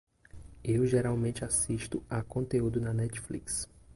Eu geralmente assisto à conteúdo na Netflix.